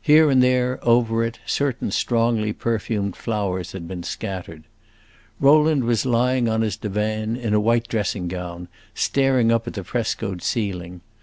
Here and there, over it, certain strongly perfumed flowers had been scattered. Roderick was lying on his divan in a white dressing gown, staring up at the frescoed ceiling.